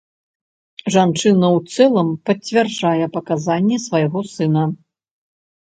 Жанчына ў цэлым пацвярджае паказанні свайго сына.